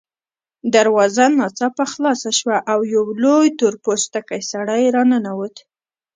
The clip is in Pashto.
دروازه ناڅاپه خلاصه شوه او یو لوی تور پوستکی سړی راننوت